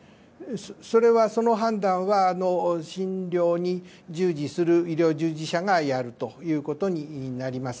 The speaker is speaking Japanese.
その判断は診療に従事する医療従事者がやるということになります。